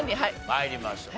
参りましょう。